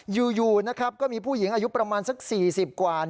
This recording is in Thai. อยู่นะครับก็มีผู้หญิงอายุประมาณสัก๔๐กว่า